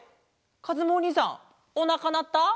かずむおにいさんおなかなった？